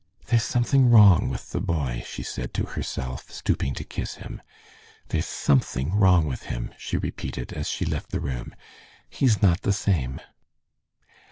"There's something wrong with the boy," she said to herself, stooping to kiss him. "There's something wrong with him," she repeated, as she left the room. "He's not the same."